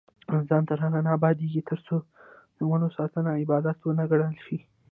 افغانستان تر هغو نه ابادیږي، ترڅو د ونو ساتنه عبادت ونه ګڼل شي.